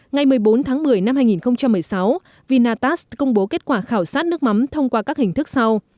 ngày một mươi bốn tháng một mươi năm hai nghìn một mươi sáu vinatast công bố kết quả khảo sát nước mắm thông qua các hình thức sau